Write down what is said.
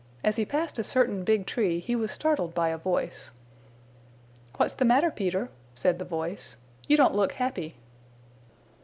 As he passed a certain big tree he was startled by a voice. "What's the matter, Peter?" said the voice. "You don't look happy."